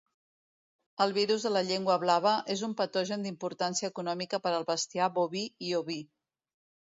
El virus de la llengua blava és un patogen d'importància econòmica per al bestiar boví i oví.